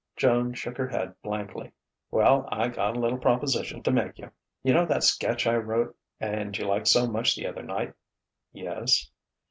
Joan shook her head blankly. "Well, I got a little proposition to make you. Yunno that sketch I wrote and you liked so much the other night?" "Yes...."